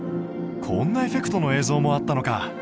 こんなエフェクトの映像もあったのか。